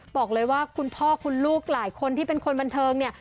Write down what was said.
บอกเลยว่าคุณพ่อคุณลูกหลายคนที่เป็นคนบันเทิงเนี่ย